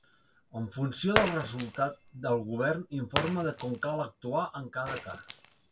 En funció del resultat, el govern informa de com cal actuar en cada cas.